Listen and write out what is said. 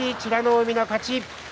海の勝ち。